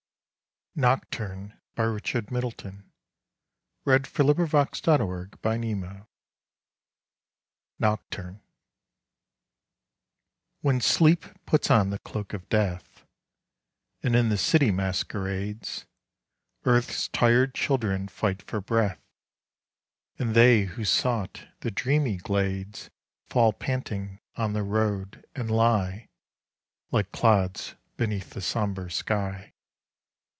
hall fill my hiding place To find Eternity hath so sweet a face. 120 NOCTURNE WHEN Sleep puts on the cloak of Death, And in the city masquerades, Earth's tired children fight for breath, And they who sought the dreamy glades Fall panting on the road, and lie Like clods beneath the sombre sky.